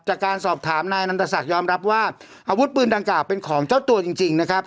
จากการสอบถามนายนันตศักดิ์ยอมรับว่าอาวุธปืนดังกล่าเป็นของเจ้าตัวจริงนะครับ